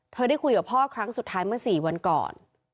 ได้คุยกับพ่อครั้งสุดท้ายเมื่อ๔วันก่อน